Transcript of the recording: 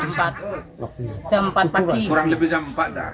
kurang lebih jam empat tak